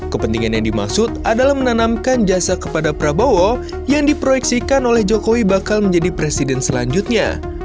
kepentingan yang dimaksud adalah menanamkan jasa kepada prabowo yang diproyeksikan oleh jokowi bakal menjadi presiden selanjutnya